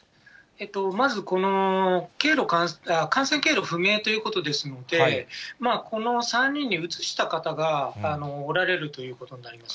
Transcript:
まず感染経路不明ということですので、この３人にうつした方がおられるということになります。